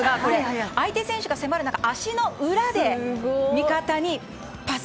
相手選手が迫る中足の裏で味方にパス。